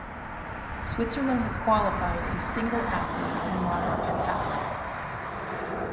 Switzerland has qualified a single athlete in modern pentathlon.